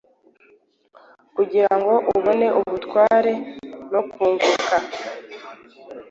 Kugirango ubone ubutware nokunguka